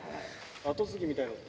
後継ぎみたいなのって。